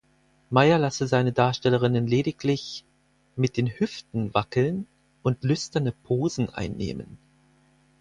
Meyer lasse seine Darstellerinnen lediglich „mit den Hüften wackeln und lüsterne Posen einnehmen“.